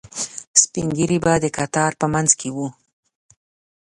سپینږیري به د کتار په منځ کې وو.